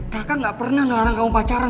kakak gak pernah ngelarang kampung pacaran